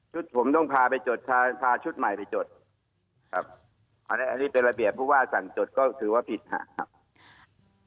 ผมต้องพาไปจดพาชุดใหม่ไปจดครับอันนี้เป็นระเบียบผู้ว่าสั่งจดก็ถือว่าผิดครับ